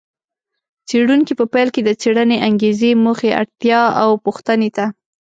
څېړونکي په پیل کې د څېړنې انګېزې، موخې، اړتیا او پوښتنې ته